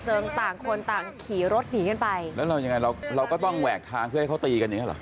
จังหวะตรงนี้นะ